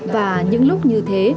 và những lúc như thế